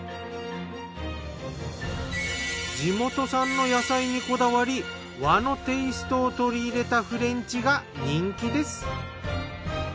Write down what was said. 地元産の野菜にこだわり和のテイストを取り入れたフレンチが人気です。